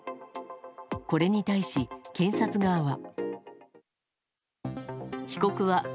これに対し、検察側は。